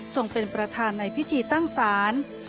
เป็นประธานในพิธีตั้งศาล